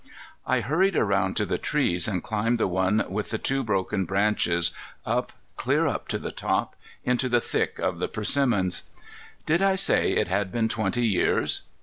I hurried around to the trees and climbed the one with the two broken branches, up, clear up to the top, into the thick of the persimmons. Did I say it had been twenty years?